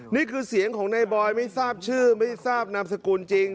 นี่คือเสียงของในบอยไม่ทราบชื่อไม่ทราบนามสกุลจริง